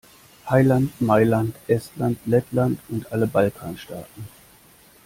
Heiland, Mailand, Estland, Lettland und alle Balkanstaaten!